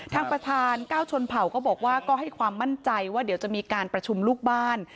ทางประธานก้าวชนเผ่าก็บอกว่าก็ให้ความมั่นใจว่าเดี๋ยวจะมีการประชุมลูกบ้าน